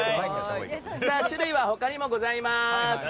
種類は他にもございます。